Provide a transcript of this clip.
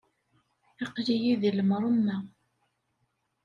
Aql-iyi di lemṛemma!